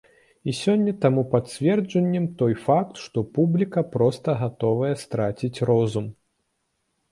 І сёння таму пацверджаннем той факт, што публіка проста гатовая страціць розум!